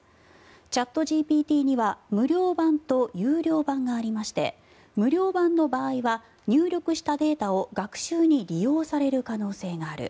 チャットＧＰＴには無料版と有料版がありまして無料版の場合は入力したデータを学習に利用される可能性がある。